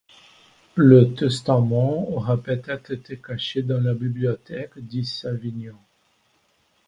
Le testament aura peut-être été caché dans la bibliothèque, dit Savinien.